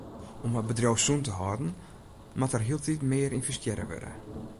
Om har bedriuw sûn te hâlden moat der hieltyd mear ynvestearre wurde.